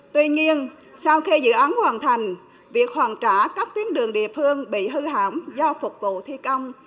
tuy nhiên sau khi dự án hoàn thành việc hoàn trả các tuyến đường địa phương bị hư hỏng do phục vụ thi công